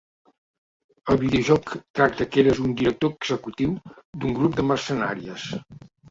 El videojoc tracta que eres un director executiu d'un grup de mercenàries.